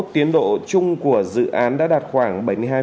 tiến độ chung của dự án đã đạt khoảng bảy mươi hai bảy mươi chín